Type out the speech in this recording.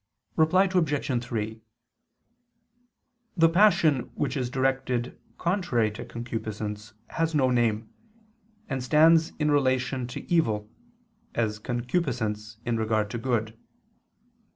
Reply Obj. 3: The passion which is directly contrary to concupiscence has no name, and stands in relation to evil, as concupiscence in regard to good.